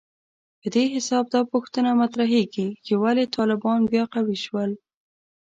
په دې حساب دا پوښتنه مطرحېږي چې ولې طالبان بیا قوي شول